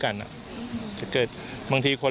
ของห้ามพิษ